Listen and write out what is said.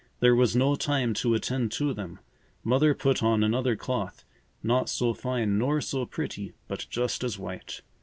There was no time to attend to them. Mother put on another cloth, not so fine nor so pretty, but just as white.